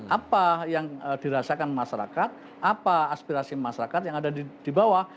apa yang dirasakan masyarakat apa aspirasi masyarakat yang ada di bawah